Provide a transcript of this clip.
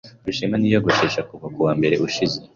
Rushema ntiyiyogoshesha kuva kuwa mbere ushize.